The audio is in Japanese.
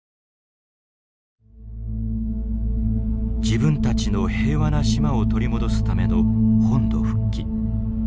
自分たちの平和な島を取り戻すための本土復帰。